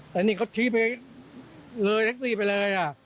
แต่นี่เขาชี้เพลงเลยแท็กซี่ไปเลย